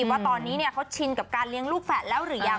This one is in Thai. ว่าตอนนี้เขาชินกับการเลี้ยงลูกแฝดแล้วหรือยัง